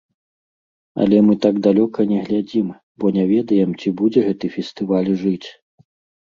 Але мы так далёка не глядзім, бо не ведаем ці будзе гэты фестываль жыць.